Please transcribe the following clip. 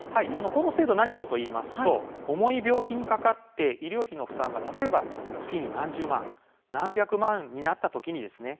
この制度は何かといいますと重い病気にかかって医療費の負担が例えば月に何十万、何百万円になった時にですね